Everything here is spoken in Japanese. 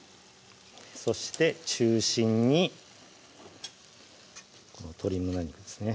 そして中心にこの鶏胸肉ですね